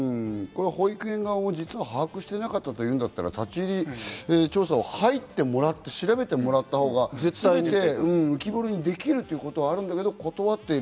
保育園側も実は把握していなかったというなら、立ち入り調査に入ってもらって調べてもらったほうが全て浮き彫りにできるということがあるけど断っている。